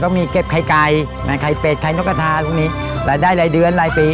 ต้องมีเก็บไข่ไก่ไข่เป็ดไข่นกะทารายได้รายเดือนรายปี